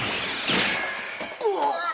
うわっ！